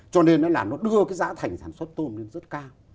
cho nên nó là nó đưa cái giá thành sản xuất tôm lên rất cao